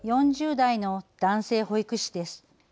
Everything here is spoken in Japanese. ４０代の男性保育士です。